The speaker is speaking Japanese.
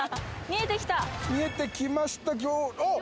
見えてきました行あっ！